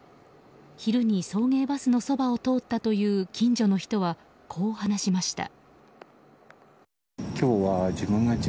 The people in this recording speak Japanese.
昼に送迎バスのそばを通ったという近所の人はこう話しました。